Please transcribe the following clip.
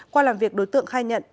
qua làm việc đối tượng khai nhận